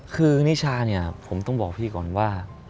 คือนิชาเนี่ยผมต้องบอกพี่ก่อนว่า